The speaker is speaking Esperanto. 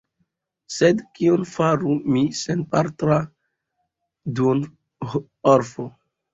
Sed kion faru mi, senpatra duonorfo?